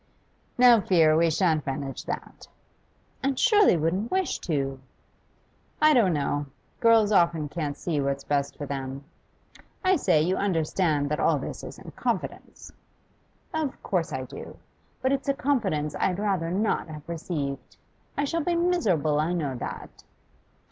'No fear! We shan't manage that.' 'And surely wouldn't wish to?' 'I don't know. Girls often can't see what's best for them. I say, you understand that all this is in confidence?' 'Of course I do. But it's a confidence I had rather not have received. I shall be miserable, I know that.